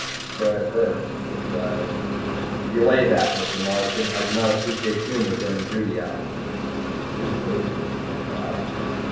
"So I have heard," I said drily. "Belay that, Mr. Marsden. I do not appreciate humor during duty hours." You wouldn't, I thought.